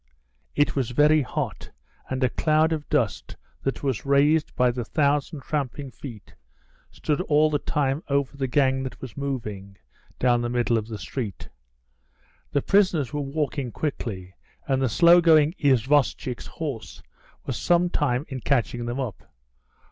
It was very hot, and a cloud of dust that was raised by a thousand tramping feet stood all the time over the gang that was moving down the middle of the street. The prisoners were walking quickly, and the slow going isvostchik's horse was some time in catching them up.